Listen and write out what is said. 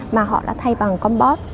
mà họ đã thay bằng con bot